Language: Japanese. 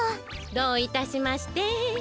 どういたしまして。